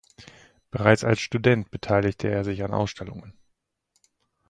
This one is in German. Bereits als Student beteiligte er sich an Ausstellungen.